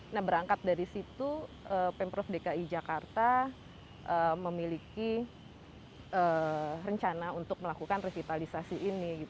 nah berangkat dari situ pemprov dki jakarta memiliki rencana untuk melakukan revitalisasi ini